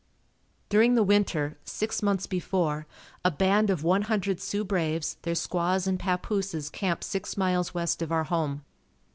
During the winter, six months before, a band of one hundred Sioux braves, their squaws and papooses camped six miles west of our home.